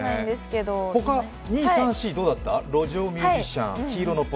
他、２、３、４、どうだった？